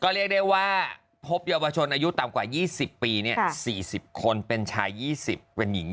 เรียกได้ว่าพบเยาวชนอายุต่ำกว่า๒๐ปี๔๐คนเป็นชาย๒๐เป็นหญิง